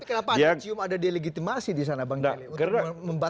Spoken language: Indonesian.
kenapa ada cium ada delegitimasi disana bang geli